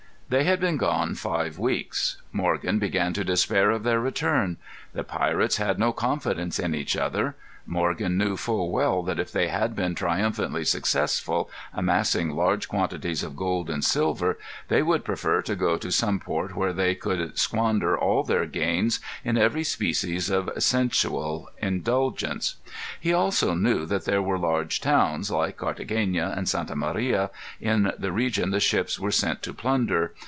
They had been gone five weeks. Morgan began to despair of their return. The pirates had no confidence in each other. Morgan knew full well that if they had been triumphantly successful, amassing large quantities of gold and silver, they would prefer to go to some port where they could squander all their gains in every species of sensual indulgence. He also knew that there were large towns, like Carthagena and Santa Maria, in the region the ships were sent to plunder.